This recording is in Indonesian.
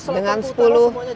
masuk jawa barat